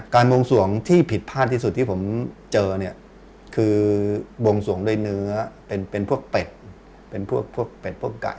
การบวงส่วงผิดพลาดที่ผมเจอคือบวงส่วงด้วยเนื้อเป็นพวกเป็ดพวกไก่